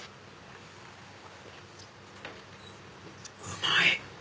うまい！